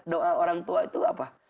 doa orang tua itu apa